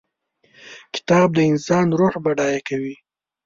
کتاب د انسان روح بډای کوي.